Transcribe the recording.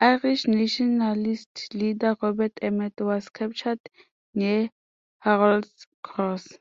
Irish Nationalist leader Robert Emmet was captured near Harold's Cross.